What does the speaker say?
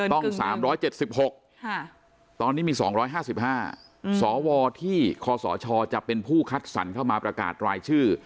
ต้อง๓๗๖ตอนนี้มี๒๕๕สวที่คศจะเป็นผู้คัดสรรเข้ามาประกาศรายชื่อ